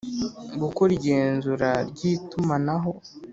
Gukora igenzura ry itumanaho